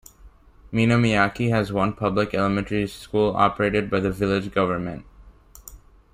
Minamiaiki has one public elementary school operated by the village government.